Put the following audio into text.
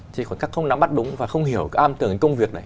thì khoảnh khắc không nắm bắt đúng và không hiểu cái am tưởng đến công việc này